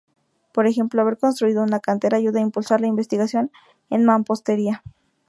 Por ejemplo, haber construido una cantera ayuda a impulsar la investigación en mampostería.